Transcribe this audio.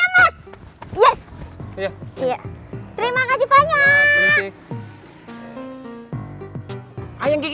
terima kasih banyak